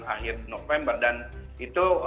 akhir november dan itu